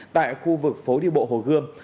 tại khu vực phố đi bộ hồ gươm